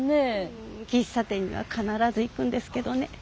うん喫茶店には必ず行くんですけどね。